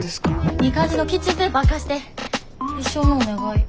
いい感じのキッチンペーパー貸して一生のお願い。